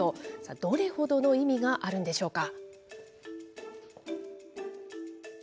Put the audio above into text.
どれほどの意味があるんでしょうか。